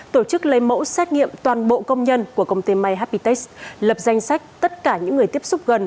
tổ chức lấy mẫu xét nghiệm toàn bộ công nhân của công ty may hapitex lập danh sách tất cả những người tiếp xúc gần